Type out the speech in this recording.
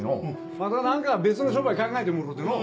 また何か別の商売考えてもろうてのう。